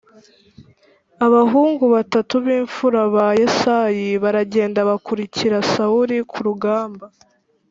Abahungu batatu b imfura ba Yesayi baragenda bakurikira Sawuli ku rugamba